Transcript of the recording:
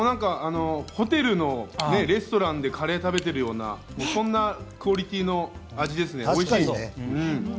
ホテルのレストランでカレーを食べているような、そんなクオリティーの味ですよね。